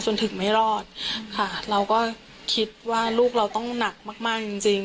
ถึงไม่รอดค่ะเราก็คิดว่าลูกเราต้องหนักมากมากจริงจริง